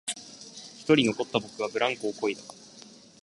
一人残った僕はブランコをこいだ